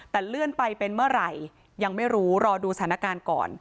แต่เลื่อนไปเป็นเมื่อไหร่ยังไม่รู้รอดูสถานการณ์ก่อน